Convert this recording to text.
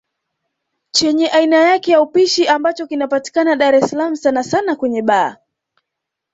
Chenye aina yake ya upishi ambacho kinapatikana Dar es salaam sana sana kwenye baa